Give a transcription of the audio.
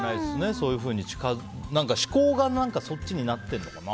そういうふうに思考がそっちになっていくのかな。